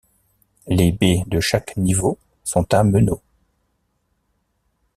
Les baies de chaque niveau sont à meneaux.